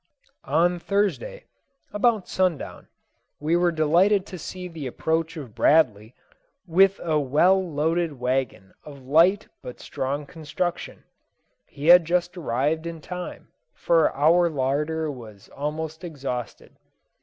On Thursday, about sundown, we were delighted to see the approach of Bradley with a well loaded wagon of light but strong construction. He had just arrived in time, for our larder was almost exhausted.